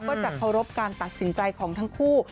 ก็จะเคารพการตัดสินใจของทั้งคู่